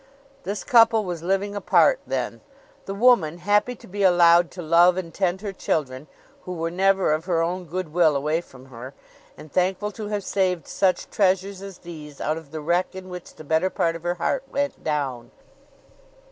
This couple was living apart then; the woman happy to be allowed to love and tend her children (who were never of her own good will away from her), and thankful to have saved such treasures as these out of the wreck in which the better part of her heart went down.